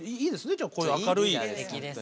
じゃあこういう明るいリーダーがね。